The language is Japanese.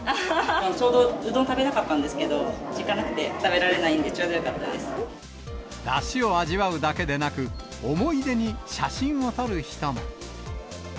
ちょうどうどん食べたかったんですけど、時間なくて食べられないんで、だしを味わうだけでなく、思い出に写真を撮る人も。